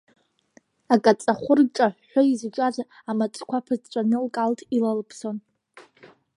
Акаҵахәыр ҿаҳәҳәы изҿаз амаҵәқәа ԥыҵәҵәаны лкалҭ илалԥсон…